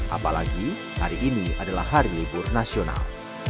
apalagi hari ini adalah hari libur nasional